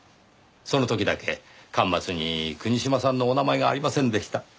その時だけ巻末に国島さんのお名前がありませんでした。